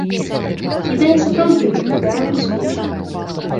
Ідэя сапраўды выглядае бліскуча.